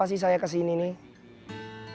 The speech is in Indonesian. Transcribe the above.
apa sih saya kesini nih